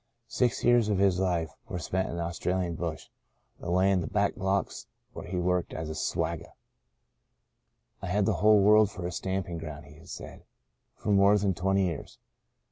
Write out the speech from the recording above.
Six years of his life were spent in the Australian bush — away in the back blocks where he worked as a swagga. " I had the whole world for a stamping ground," he has said, '* for more than twenty years."